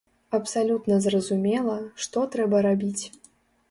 Абсалютна зразумела, што трэба рабіць.